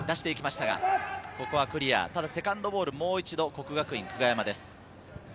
セカンドボール、もう一度、國學院久我山です。